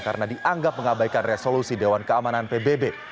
karena dianggap mengabaikan resolusi dewan keamanan pbb